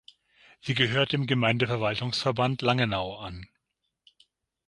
Sie gehört dem Gemeindeverwaltungsverband Langenau an.